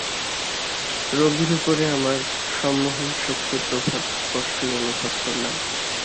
রোগীর ওপরে আমার সম্মোহন শক্তির প্রভাব স্পষ্টই অনুভব করলাম।